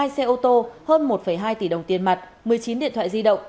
hai xe ô tô hơn một hai tỷ đồng tiền mặt một mươi chín điện thoại di động